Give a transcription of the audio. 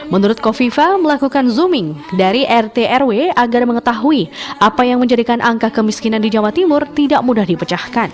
menurut kofifa melakukan zooming dari rt rw agar mengetahui apa yang menjadikan angka kemiskinan di jawa timur tidak mudah dipecahkan